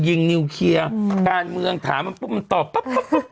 ยิงนิ้วเคี่ยวการเมืองถามมันตอบปั๊บ